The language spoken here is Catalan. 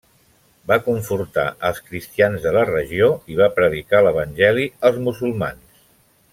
Va confortar els cristians de la regió i va predicar l'evangeli als musulmans.